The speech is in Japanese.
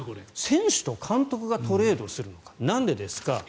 選手と監督がトレードするのかなんでですか。